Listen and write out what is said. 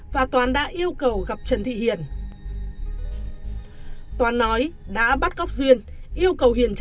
và toán đã yêu cầu gặp trần thị hiền